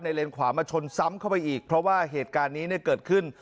เลนขวามาชนซ้ำเข้าไปอีกเพราะว่าเหตุการณ์นี้เนี่ยเกิดขึ้น